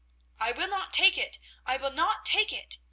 "I will not take it! I will not take it!"